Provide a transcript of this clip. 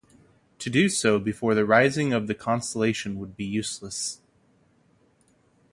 To do so before the rising of the constellation would be useless.